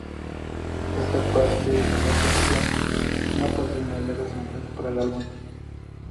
Esta parte de la canción no aparece en las letras impresas para el álbum.